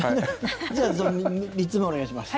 じゃあ、その３つ目お願いします。